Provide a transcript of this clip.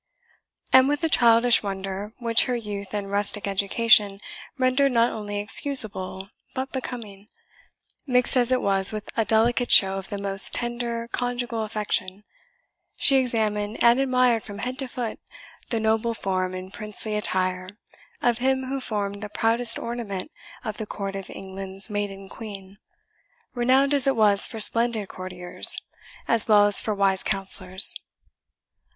And with a childish wonder, which her youth and rustic education rendered not only excusable but becoming, mixed as it was with a delicate show of the most tender conjugal affection, she examined and admired from head to foot the noble form and princely attire of him who formed the proudest ornament of the court of England's Maiden Queen, renowned as it was for splendid courtiers, as well as for wise counsellors.